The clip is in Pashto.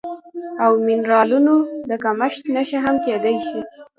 او منرالونو د کمښت نښه هم کیدی شي